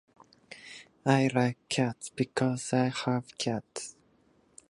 I like cats. Because I have cats.